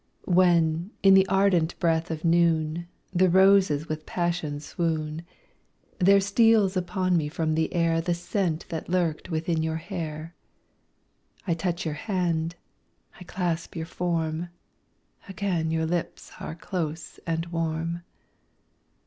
When, in the ardent breath of noon, The roses with passion swoon; There steals upon me from the air The scent that lurked within your hair; I touch your hand, I clasp your form Again your lips are close and warm.